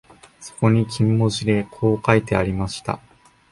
そこに金文字でこう書いてありました